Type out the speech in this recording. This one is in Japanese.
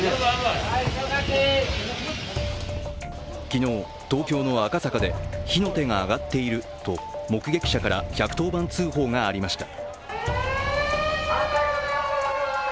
昨日、東京の赤坂で火の手が上がっていると目撃者から１１０番通報がありました